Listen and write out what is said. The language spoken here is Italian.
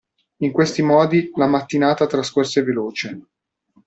In questi modi, la mattinata trascorse veloce.